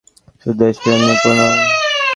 শুধু দেশপ্রেম দিয়ে পূর্ণ।